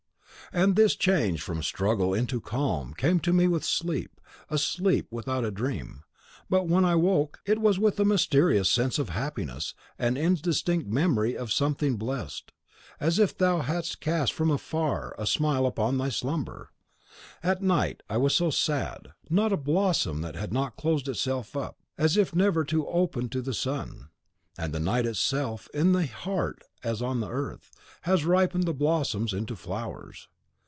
And this change from struggle into calm came to me with sleep, a sleep without a dream; but when I woke, it was with a mysterious sense of happiness, an indistinct memory of something blessed, as if thou hadst cast from afar off a smile upon my slumber. At night I was so sad; not a blossom that had not closed itself up, as if never more to open to the sun; and the night itself, in the heart as on the earth, has ripened the blossoms into flowers.